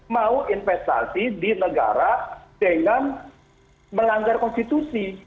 mau investasi di negara dengan melanggar konstitusi